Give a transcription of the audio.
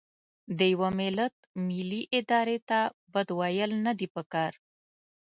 د یوه ملت ملي ارادې ته بد ویل نه دي پکار.